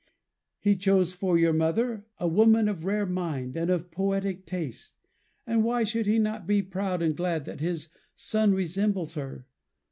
He chose for your mother, a woman of rare mind, and of poetic taste, and why should he not be proud and glad that his son resembles her?